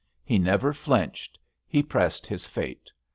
He never flinched ; he pressed his fate.